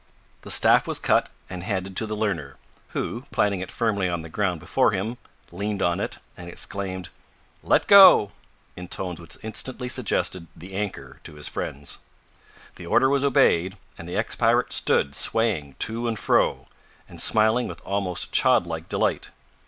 The staff was cut and handed to the learner, who, planting it firmly on the ground before him, leaned on it, and exclaimed, "Let go!" in tones which instantly suggested "the anchor" to his friends. The order was obeyed, and the ex pirate stood swaying to and fro, and smiling with almost childlike delight.